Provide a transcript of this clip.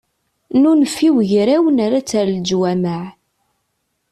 Nunef i wegraw nerra-tt ar leǧwameɛ.